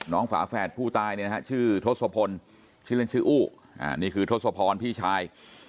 น้องฝาแฝดผู้ตายในท่ะชื่อทหรับควรด้วยชื่ออุ่นี่คือธมพันธ์พี่ชาย